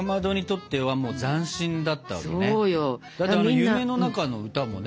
「夢の中の歌」もね